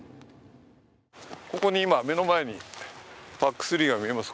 ここに今、目の前にＰＡＣ３が見えます。